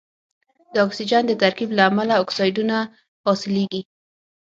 د اکسیجن د ترکیب له امله اکسایدونه حاصلیږي.